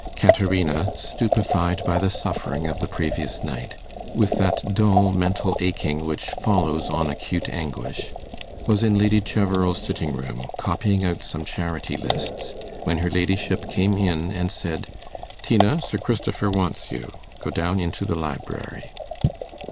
Caterina, stupified by the suffering of the previous night, with that dull mental aching which follows on acute anguish, was in Lady Cheverel's sitting room, copying out some charity lists, when her ladyship came in, and said, 'Tina, Sir Christopher wants you; go down into the library.